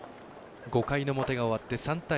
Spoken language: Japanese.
５回の表が終わって３対２。